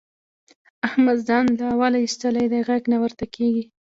احمد ځان له اوله اېستلی دی؛ غږ نه ورته کېږي.